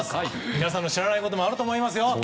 皆さんの知らないこともあると思いますよ。